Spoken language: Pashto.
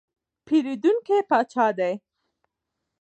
پیرودونکی پاچا دی.